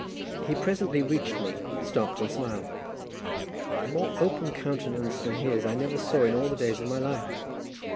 He presently reached me, stopped and smiled. A more open countenance than his I never saw in all the days of my life.